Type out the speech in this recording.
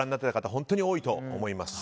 本当に多いと思います。